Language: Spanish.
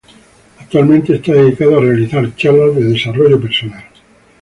Actualmente está dedicado a realizar charlas de desarrollo personal.